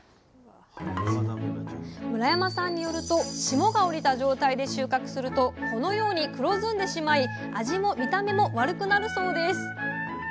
村山さんによると霜が降りた状態で収穫するとこのように黒ずんでしまい味も見た目も悪くなるそうです。